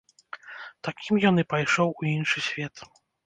Такім ён і пайшоў у іншы свет.